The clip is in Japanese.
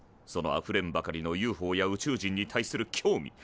そのあふれんばかりのＵＦＯや宇宙人に対する興味。